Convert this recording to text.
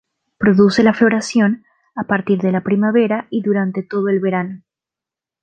Produce la floración a partir de la primavera y durante todo el verano.